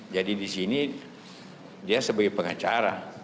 jadi di sini dia sebagai pengacara